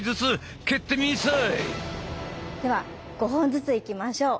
では５本ずついきましょう。